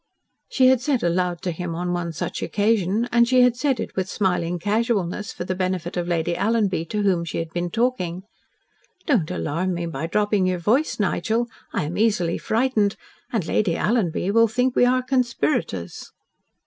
She had said aloud to him on one such occasion and she had said it with smiling casualness for the benefit of Lady Alanby, to whom she had been talking: "Don't alarm me by dropping your voice, Nigel. I am easily frightened and Lady Alanby will think we are conspirators."